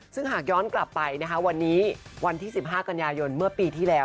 ซึ่งหากย้อนกลับไปนะคะวันนี้วันที่๑๕กันยายนเมื่อปีที่แล้ว